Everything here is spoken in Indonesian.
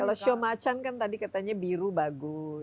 kalau syomacan kan tadi katanya biru bagus